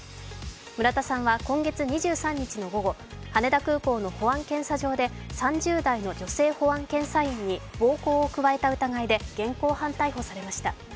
村田さんは今月２３日の午後、羽田空港の保安検査場で３０代の女性保安検査員に暴行を加えた疑いで現行犯逮捕されました。